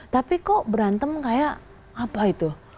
tapi kok berantem kayak apa itu